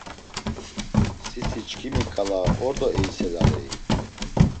Siti çkimi k̆ala ordo eyselarei?